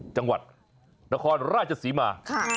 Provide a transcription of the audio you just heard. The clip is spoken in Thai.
จังหวัดนครราชศรีมา